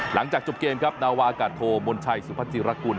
หลังจากจบเกมครับนาวากาศโทมนชัยสุพัชิรกุล